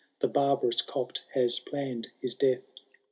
The barbarous Copt, has phum'd his death.